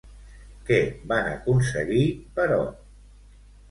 Què van aconseguir, però?